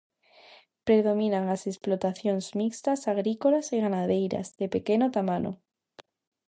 Predominan as explotacións mixtas, agrícolas e gandeiras, de pequeno tamaño.